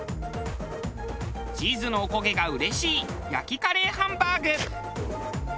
チーズのお焦げがうれしい焼きカレーハンバーグ。